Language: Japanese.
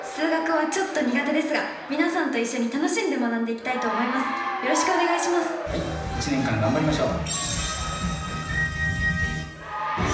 一年間頑張りましょう。